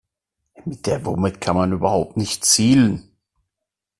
Mit der Wumme kann man überhaupt nicht zielen.